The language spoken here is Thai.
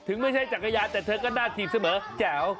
ไม่ใช่จักรยานแต่เธอก็หน้าถีบเสมอแจ๋ว